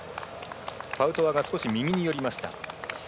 パウトワが少し右に寄りました。